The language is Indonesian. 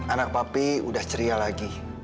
anak papi udah ceria lagi